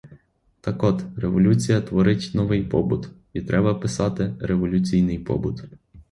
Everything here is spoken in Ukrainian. Так от, революція творить новий побут, і треба писати революційний побут.